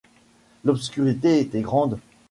L’obscurité était grande.